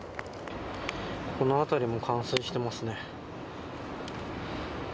この辺りも冠水してますね。